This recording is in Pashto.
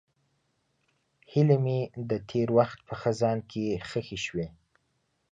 هیلې مې د تېر وخت په خزان کې ښخې شوې.